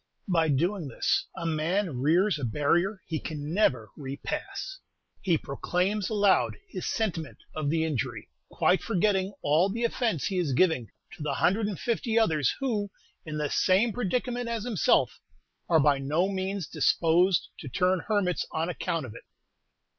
By doing this a man rears a barrier he never can repass; he proclaims aloud his sentiment of the injury, quite forgetting all the offence he is giving to the hundred and fifty others who, in the same predicament as himself, are by no means disposed to turn hermits on account of it.